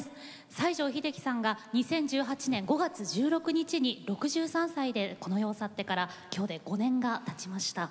西城秀樹さんが２０１８年５月１６日に６３歳でこの世を去ってから今日で５年がたちました。